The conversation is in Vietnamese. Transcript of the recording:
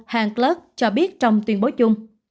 hank kluck cho biết trong tuyên bố chung